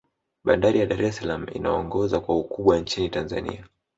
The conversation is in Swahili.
bandari ya dar es salaam inaongoza kwa ukumbwa nchini tanzania